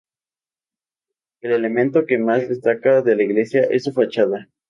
El elemento que más destaca de la iglesia es su fachada.